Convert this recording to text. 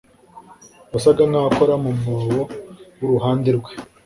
wasaga nkaho akora mu mwobo w'uruhande rwe